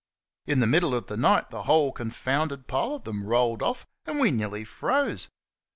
In the middle of the night, the whole confounded pile of them rolled off, and we nearly froze.